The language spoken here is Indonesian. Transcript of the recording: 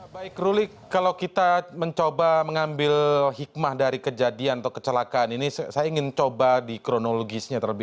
baik rulik kalau kita mencoba mengambil hikmah dari kejadian atau kecelakaan ini saya ingin coba dikronologi